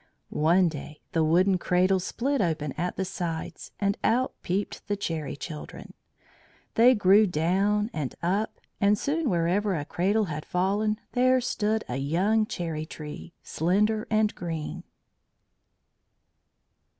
One day the wooden cradles split open at the sides, and out peeped the Cherry Children. They grew down and up, and soon wherever a cradle had fallen there stood a young cherry tree, slender and green.